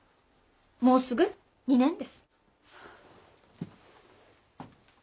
もうすぐ２年です。